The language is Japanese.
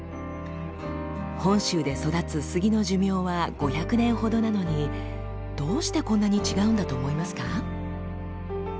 本州で育つ杉の寿命は５００年ほどなのにどうしてこんなに違うんだと思いますか。